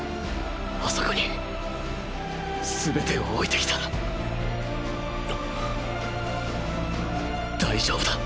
あそこにすべてを置いてきた大丈夫だ。